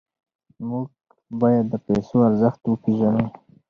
موږ باید د پیسو ارزښت وپېژنو.